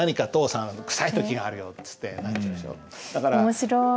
面白い。